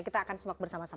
kita akan semak bersama sama